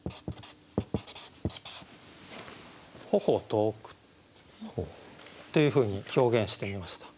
「頬遠く」というふうに表現してみました。